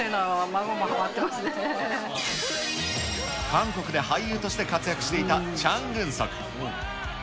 韓国で俳優として活躍していたチャン・グンソク。